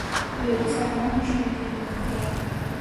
იოდი საკმაოდ იშვიათი ელემენტია.